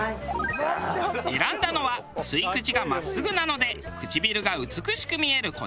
選んだのは吸い口が真っすぐなので唇が美しく見えるこちらのパイプ。